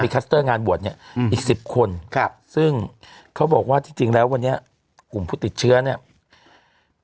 คัสเตอร์งานบวชเนี้ยอืมอีกสิบคนครับซึ่งเขาบอกว่าที่จริงแล้ววันนี้กลุ่มผู้ติดเชื้อเนี่ย